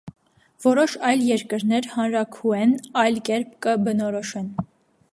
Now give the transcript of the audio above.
Որոշ այլ երկրներ հանրաքուէն այլ կերպ կը բնորոշեն։